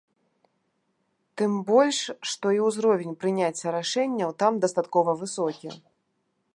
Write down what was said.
Тым больш, што і ўзровень прыняцця рашэнняў там дастаткова высокі.